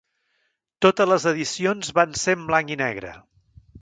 Totes les edicions van ser en blanc-i-negre.